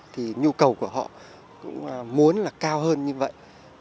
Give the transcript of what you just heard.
thì nhu cầu của họ cũng muốn là cao hơn như vậy